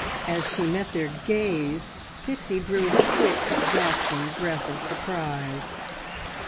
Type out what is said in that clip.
As she met their gaze Pixie drew a quick, gasping breath of surprise.